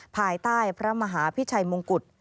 ภายใต้พระมหาพิชัยมงกุฎ